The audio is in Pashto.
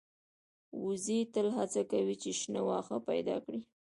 وزې تل هڅه کوي چې شنه واښه پیدا کړي